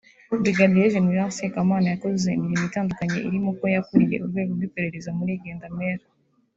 Brig Gen Sekamana Yakoze imirimo itandukanye irimo ko yakuriye Urwego rw’Iperereza muri Gendarmerie